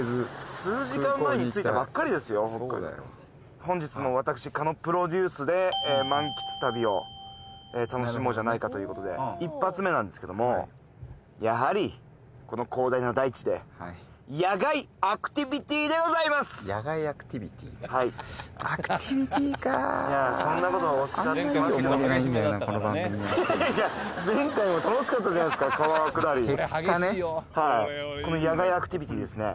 本日も私狩野プロデュースで満喫旅を楽しもうじゃないかということで１発目なんですけどもやはりこの野外アクティビティはいそんなことおっしゃいますけどもこの番組前回も楽しかったじゃないですか川下り結果ねはいこの野外アクティビティですね